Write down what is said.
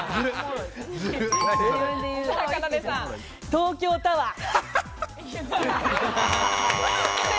東京タワー。